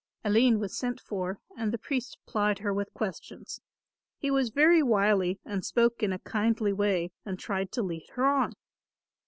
Aline was sent for and the priest plied her with questions. He was very wily and spoke in a kindly way and tried to lead her on.